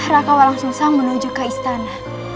raka walang susang menuju ke istana